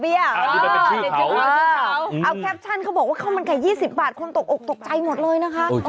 เดี๋ยวเอาแคปชั่นเขาบอกว่าข้าวมันไก่๒๐บาทคนตกอกตกใจหมดเลยนะคะ